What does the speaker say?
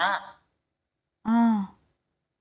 อ้าว